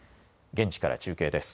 現地から中継です。